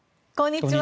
こんにちは。